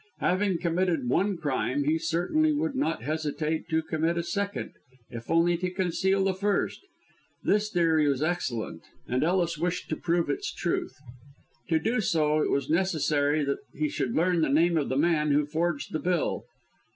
Having committed one crime he certainly would not hesitate to commit a second, if only to conceal the first. This theory was excellent, and Ellis wished to prove its truth. To do so, it was necessary that he should learn the name of the man who had forged the bill.